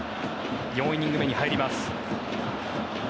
４イニング目に入ります。